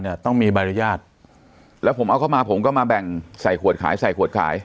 ต้องมีใบอนุญาตแล้วผมเอาเข้ามาผมก็มาแบ่งใส่ขวดขายใส่ขวดขาย